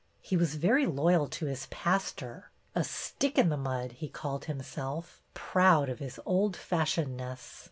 He was very loyal to his pastor. A " stick in the mud," he called himself, proud of his old fashionedness.